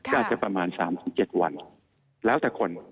ก็อาจจะประมาณ๓๗วันแล้วแต่คน